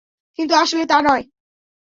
কিন্তু আসলে তা নয়।